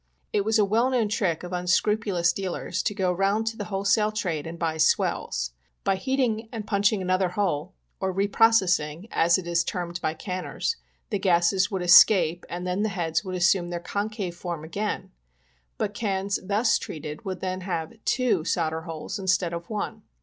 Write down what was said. It was a well known trick of unscrupulous dealers to go round to the wholesale trade and buy swells — by heating and punching another hole or reprocessing, as it is termed by canners, the gases would escape and then the heads would assume their concave form again ; but cans, thus treated, would have ttvo solder holes instead of one.